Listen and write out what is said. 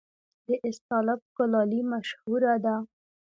د استالف کلالي مشهوره ده